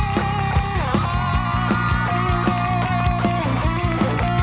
กีต้าร็อกเกอร์